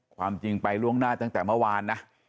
ความจริงไปล่วงหน้าตั้งแต่เมื่อวานนะ